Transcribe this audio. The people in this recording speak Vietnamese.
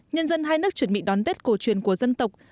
nhân dân hai nước chuẩn bị đón tết cổ truyền của dân tộc